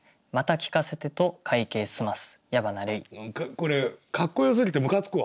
これかっこよすぎてむかつくわ。